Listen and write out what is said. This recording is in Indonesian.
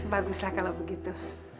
baguslah kalau begitu